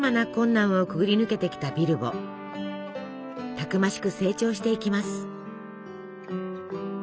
たくましく成長していきます。